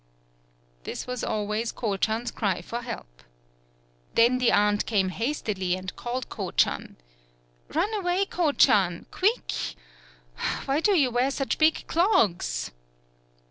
This was always Ko chan's cry for help. Then the aunt came hastily and called Ko chan. "Run away, Ko chan! quick! Why do you wear such big clogs?"